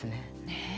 ねえ。